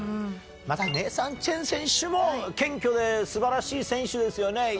またネイサン・チェン選手も、謙虚ですばらしい選手ですよね。